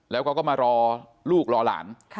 แล้วเขาก็มารอลูกรอหลาน